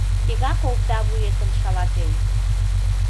Тегак овда вуетым шалатем!